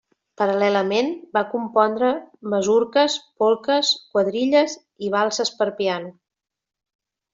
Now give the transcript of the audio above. Paral·lelament, va compondre masurques, polques, quadrilles i valses per piano.